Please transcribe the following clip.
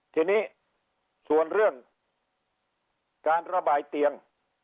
ทีนี้ส่วนเรื่องการระบายเตียง